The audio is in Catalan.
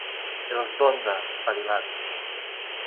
Els d'Onda, espavilats.